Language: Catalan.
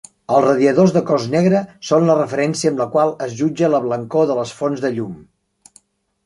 Els radiadors de cos negre són la referència amb la qual es jutja la blancor de les fonts de llum.